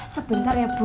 sebentar ya bu